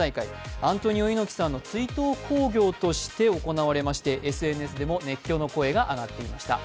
アントニオ猪木さんの追悼興行として行われまして熱狂の声が上がっていました。